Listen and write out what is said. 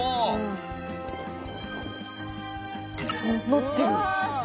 なってる。